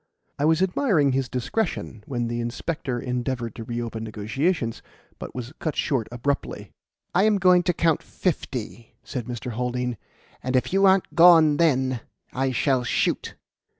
I was admiring his discretion when the inspector endeavoured to reopen negotiations, but was cut short abruptly. "I am going to count fifty," said Mr. Haldean, "and if you aren't gone then, I shall shoot."